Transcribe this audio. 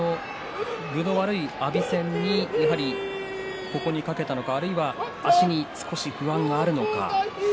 分の悪い阿炎戦にここに懸けたのか足に不安があるのか。